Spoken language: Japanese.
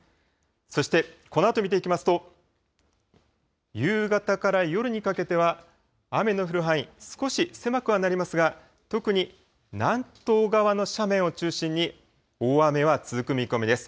そしてこのあと見ていきますと、夕方から夜にかけては、雨の降る範囲、少し狭くはなりますが、特に南東側の斜面を中心に、大雨は続く見込みです。